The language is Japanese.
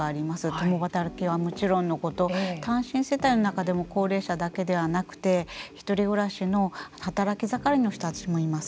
共働きはもちろんのこと単身世帯の中でも高齢者だけではなくて１人暮らしの働き盛りの人たちもいます。